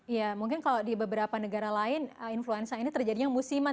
ya mungkin kalau di beberapa negara lain influenza ini terjadinya musiman